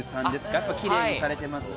やっぱりキレイにされてますし。